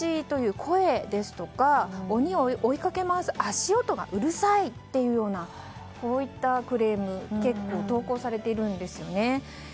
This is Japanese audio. という声ですとか鬼を追い掛け回す足音がうるさいなどこういったクレーム結構投稿されているんですよね。